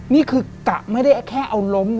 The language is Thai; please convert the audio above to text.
นี่คือกะไม่ได้แค่เอาล้ม